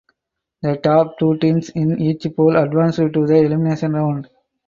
The top two teams in each pool advanced to the elimination round.